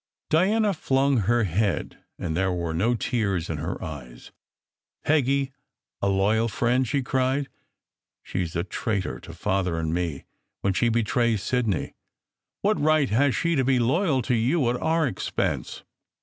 Diana flung up her head, and there were no tears in her eyes. " Peggy a loyal friend !" she cried. " She s a traitor to Father and me when she betrays Sidney. What right has she to be loyal to you at our expense?